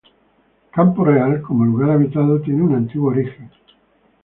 Campo Real, como lugar habitado, tiene un antiguo origen.